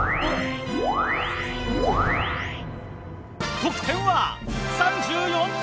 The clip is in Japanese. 得点は３４点。